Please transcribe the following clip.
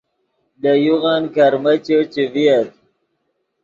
لے یوغن کرمیچے چے ڤییت